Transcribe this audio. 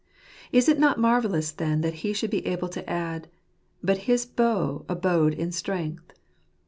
Is it not marvellous then that he should be able to add, 14 but his bow abode in strength"?